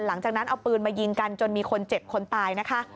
หลังจากนั้นเอาปืนมายิงกันจนมีคนเจ็บคนตายนะคะ